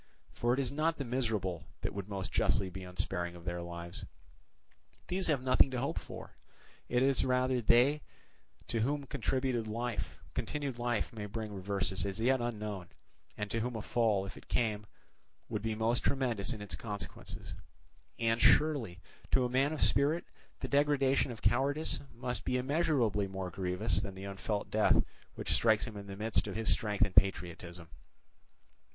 For it is not the miserable that would most justly be unsparing of their lives; these have nothing to hope for: it is rather they to whom continued life may bring reverses as yet unknown, and to whom a fall, if it came, would be most tremendous in its consequences. And surely, to a man of spirit, the degradation of cowardice must be immeasurably more grievous than the unfelt death which strikes him in the midst of his strength and patriotism!